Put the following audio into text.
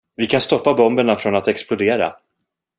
Vi kan stoppa bomberna från att explodera.